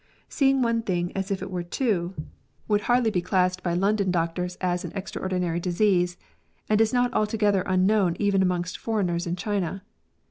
" Seeing one thing as if it were two " would hardly MEDICAL SCIENCE. 39 be classed by London doctors as an extraordinary disease, and is not altogether unknown even amongst foreigners in China.